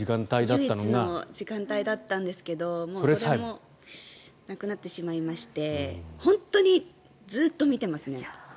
唯一の時間帯だったんですがそれもなくなってしまいまして本当にずっと見ていますね。